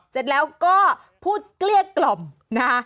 เสร็จแล้วก็พูดเกลี้ยกล่อมนะคะ